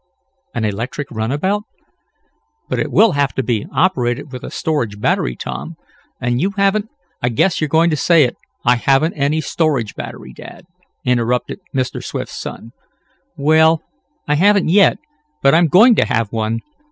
"An electric runabout? But it will have to be operated with a storage battery, Tom, and you haven't " "I guess you're going to say I haven't any storage battery, dad," interrupted Mr. Swift's son. "Well, I haven't yet, but I'm going to have one.